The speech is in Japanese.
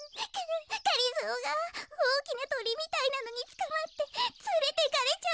がりぞーがおおきなトリみたいなのにつかまってつれてかれちゃった。